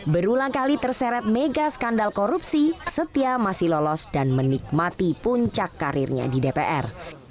berulang kali terseret mega skandal korupsi setia masih lolos dan menikmati puncak karirnya di dpr